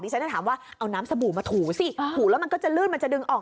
ฉันจะถามว่าเอาน้ำสบู่มาถูสิถูแล้วมันก็จะลื่นมันจะดึงออก